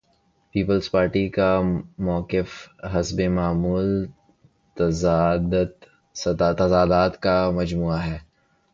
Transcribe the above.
Peoples Party کا موقف حسب معمول تضادات کا مجموعہ ہے۔